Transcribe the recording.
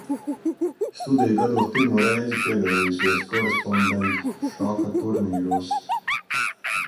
Studiju gados pirmo reizi piedalījusies korespondencšaha turnīros.